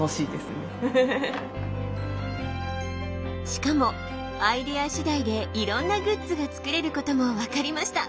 しかもアイデア次第でいろんなグッズが作れることも分かりました。